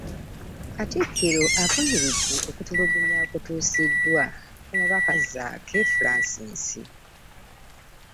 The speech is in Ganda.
Katikkiro avumiridde okutulugunya okutuusiddwa ku mubaka Zaake Francis